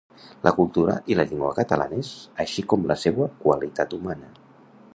La cultura i la llengua catalanes, així com la seua qualitat humana.